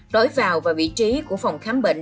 đổi vào và vị trí của phòng khám bệnh